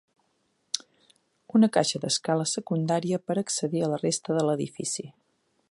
Una caixa d'escala secundària per accedir a la resta de l'edifici.